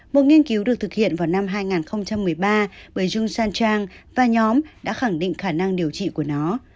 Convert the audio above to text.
một nghiên cứu được thực hiện vào năm hai nghìn một mươi ba bởi jung sancheng và nhóm đã khẳng định khả năng điều trị của nó